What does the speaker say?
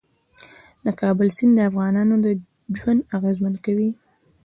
د کابل سیند د افغانانو ژوند اغېزمن کوي.